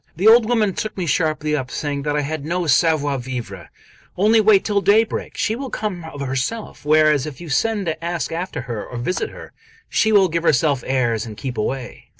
The old woman took me sharply up, saying that I had no 'savoir vivre:' "Only wait till daybreak, and she will come of herself; whereas, if you send to ask after her or visit her, she will give herself airs and keep away."